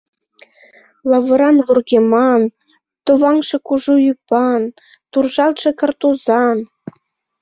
Лавыран вургеман, товаҥше кужу ӱпан, туржалтше картузан.